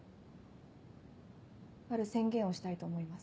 ある宣言をしたいと思います。